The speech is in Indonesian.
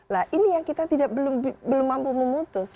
nah ini yang kita belum mampu memutus